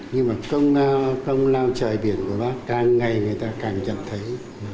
nhưng mà công lao trời biển của bác càng ngày người ta càng nhận thấy